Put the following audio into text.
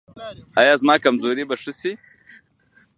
ایا زما کمزوري به ښه شي؟